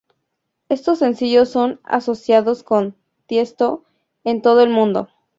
Estos sencillos son asociados con Tiësto en todo el mundo.